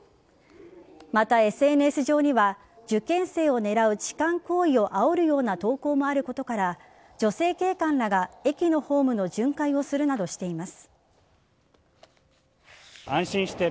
また、ＳＮＳ上には受験生を狙う痴漢行為をあおるような投稿もあることから女性警官らが駅のホームの巡回をするなどしています。